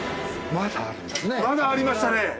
まだありましたね。